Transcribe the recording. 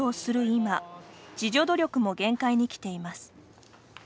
今自助努力も限界に来ています。